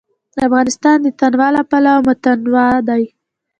افغانستان د تنوع له پلوه متنوع دی.